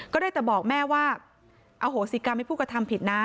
ก็ได้แต่บอกแม่ว่าโอ้โหสิการไม่พูดกระทำผิดน่ะ